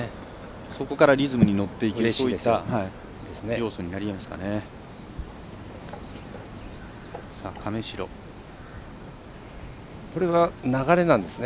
そこからリズムに乗っていけるという要素になりえますかね。